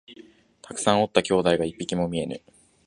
たくさんおった兄弟が一匹も見えぬ